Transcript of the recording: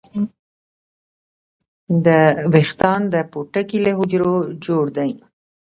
ویښتان د پوټکي له حجرو جوړ دي